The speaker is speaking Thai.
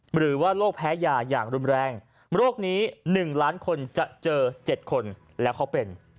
หรือว่าโรคแพ้ยาอย่างรุนแรงโรคนี้๑ล้านคนจะเจอ๗คนแล้วเขาเป็น